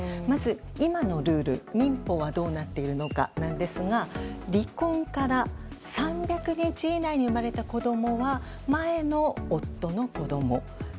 まず今のルール民法はどうなっているのかですが離婚から３００日以内に生まれた子供は前の夫の子供。